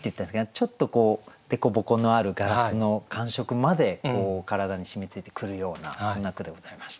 ちょっとこう凸凹のあるガラスの感触まで体に染みついてくるようなそんな句でございました。